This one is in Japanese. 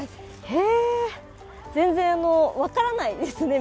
へえ、全然分からないですね、